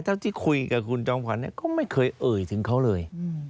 ตั้งที่คุยกับคุณจำขวัญเนี่ยก็ไม่เคยเอ่ยถึงเขาเลย